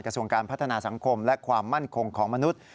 ส่วนการพัฒนาสังคมและความมั่นคงของมนุษย์